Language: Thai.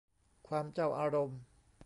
ความเจ้าอารมณ์